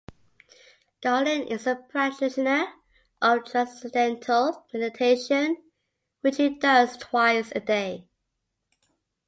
Garlin is a practitioner of transcendental meditation, which he does twice a day.